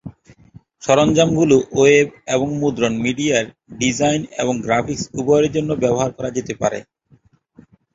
সরঞ্জামগুলি ওয়েব এবং মুদ্রণ মিডিয়ায় ডিজাইন এবং গ্রাফিক্স উভয়ের জন্যই ব্যবহার করা যেতে পারে।